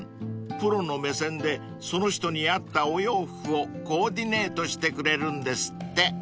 ［プロの目線でその人に合ったお洋服をコーディネートしてくれるんですって］